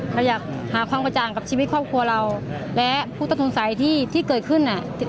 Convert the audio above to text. เราอยากหาความกระจ่างกับชีวิตครอบครัวเราและผู้ต้องสงสัยที่เกิดขึ้น